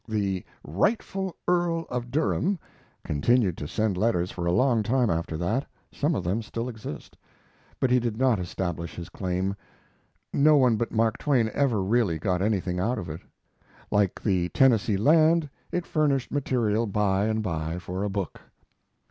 The "Rightful Earl of Durham" continued to send letters for a long time after that (some of them still exist), but he did not establish his claim. No one but Mark Twain ever really got anything out of it. Like the Tennessee land, it furnished material by and by for a book.